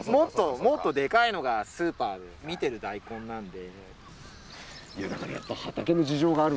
もっとでかいのがスーパーで見てる大根なんで。